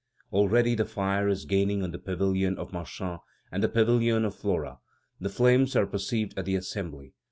Already the fire is gaining on the Pavilion of Marsan and the Pavilion of Flora. The flames are perceived at the Assembly.